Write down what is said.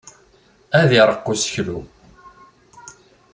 Ad ireqq useklu.